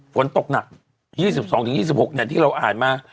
ฝนตกหนัก๒๒๒๖ที่เราอ่านมา